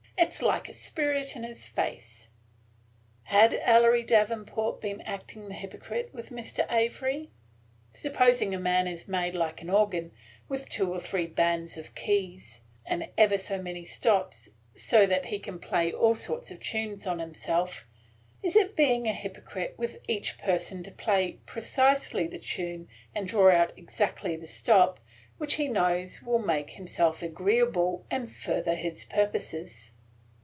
It 's like a spirit in his face." Had Ellery Davenport been acting the hypocrite with Mr. Avery? Supposing a man is made like an organ, with two or three bands of keys, and ever so many stops, so that he can play all sorts of tunes on himself; is it being a hypocrite with each person to play precisely the tune, and draw out exactly the stop, which he knows will make himself agreeable and further his purposes?